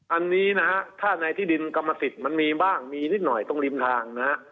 อันนี้นะฮะถ้าในที่ดินกรรมสิทธิ์มันมีบ้างมีนิดหน่อยตรงริมทางนะฮะ